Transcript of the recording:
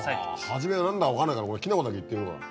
初めは何だか分かんないからきな粉だけいってみようかな。